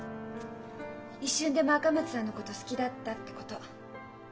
一瞬でも赤松さんのこと好きだったってこと。